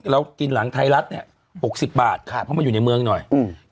เรากินหลังไทยรัฐเนี่ยหกสิบบาทครับเพราะมันอยู่ในเมืองหน่อยอืม